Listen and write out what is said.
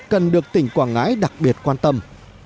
cần được tỉnh quảng ngãi đặc biệt quan tâm